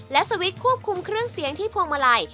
และสวิตช์ควบคุมเครื่องเสียงที่พวงมาลัย